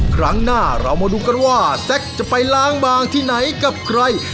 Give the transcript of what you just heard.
ครั้งหน้าเรามาดูกันว่าแซ็กจะไปล้างบางที่ไหนกับใคร